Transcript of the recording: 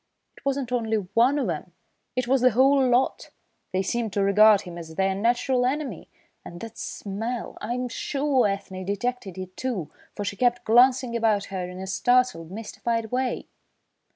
It wasn't only one of 'em, it was the whole lot. They seemed to regard him as their natural enemy! And that smell! I'm sure Ethne detected it too, for she kept glancing about her in a startled, mystified way."